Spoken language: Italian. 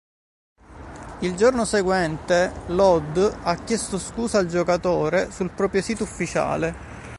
Il giorno seguente, l'Odd ha chiesto scusa al giocatore sul proprio sito ufficiale.